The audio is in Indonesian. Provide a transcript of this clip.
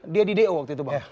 dia di do waktu itu bang